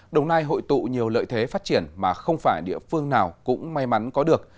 đồng nai hội tụ nhiều lợi thế phát triển mà không phải địa phương nào cũng may mắn có được